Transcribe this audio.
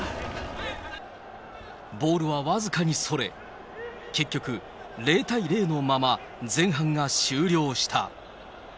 ボールは僅かにそれ、結局、０対０のまま前半が終了した。